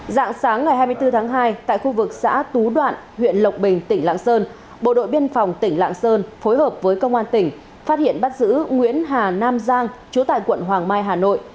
dạng sáng ngày hai mươi bốn tháng hai tại khu vực xã tú đoạn huyện lộc bình tỉnh lạng sơn bộ đội biên phòng tỉnh lạng sơn phối hợp với công an tỉnh phát hiện bắt giữ nguyễn hà nam giang chú tại quận hoàng mai hà nội